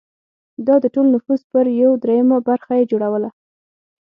دا د ټول نفوس یو پر درېیمه برخه یې جوړوله